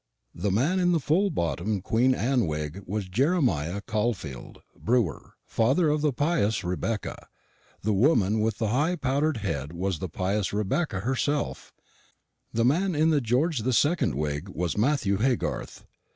The man in the full bottomed Queen Anne wig was Jeremiah Caulfield, brewer, father of the pious Rebecca; the woman with the high powdered head was the pious Rebecca herself; the man in the George the Second wig was Matthew Haygarth.